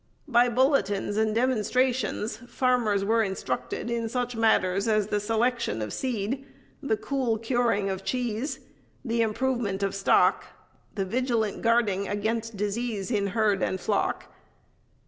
By bulletins and demonstrations farmers were instructed in such matters as the selection of seed, the cool curing of cheese, the improvement of stock, the vigilant guarding against disease in herd and flock.